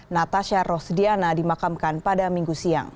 natasha rosdiana dimakamkan pada minggu siang